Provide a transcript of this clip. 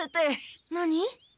何？